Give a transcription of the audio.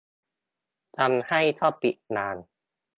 ทำให้ต้องปิดด่าน